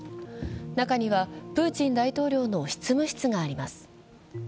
中にはプーチン大統領の執務室があります。